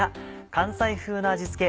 関西風な味付け